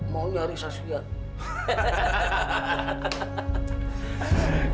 mau nyari sasian